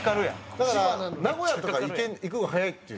だから名古屋とか行く方が早いっていう。